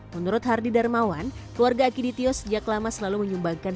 menurut hardi darmawan keluarga akidi tio sejak lama selalu menyumbangkan